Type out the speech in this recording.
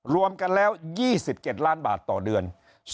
รวมกันแล้ว๒๗ล้านบาทต่อเดือน